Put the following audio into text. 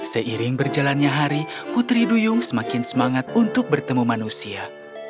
seiring berjalannya hari putri duyung semakin semangat untuk bertemu manusia